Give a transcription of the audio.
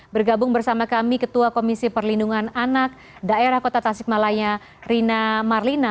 bergabung bersama kami ketua komisi perlindungan anak daerah kota tasikmalaya rina marlina